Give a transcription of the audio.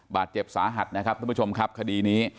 บาดเจ็บสาหัสนะครับทุกผู้ชมครับคดีนี้